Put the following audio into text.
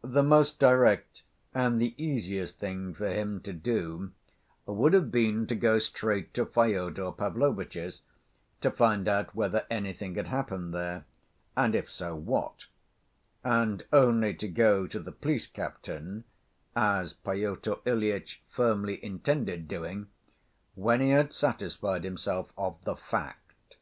The most direct and the easiest thing for him to do would have been to go straight to Fyodor Pavlovitch's, to find out whether anything had happened there, and if so, what; and only to go to the police captain, as Pyotr Ilyitch firmly intended doing, when he had satisfied himself of the fact.